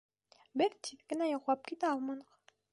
Беҙ тиҙ генә йоҡлап китә алманыҡ.